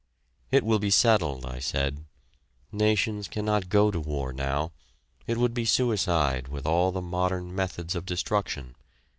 "It will be settled," I said. "Nations cannot go to war now. It would be suicide, with all the modern methods of destruction.